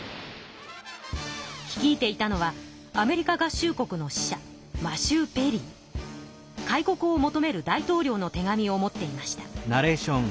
率いていたのはアメリカ合衆国の使者開国を求める大統領の手紙を持っていました。